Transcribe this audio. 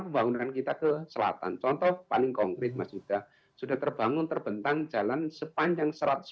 pembangunan kita ke selatan contoh paling konkret mas yuda sudah terbangun terbentang jalan sepanjang